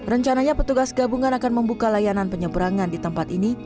rencananya petugas gabungan akan membuka layanan penyeberangan di tempat ini